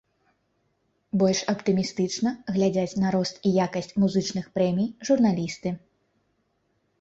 Больш аптымістычна глядзяць на рост і якасць музычных прэмій журналісты.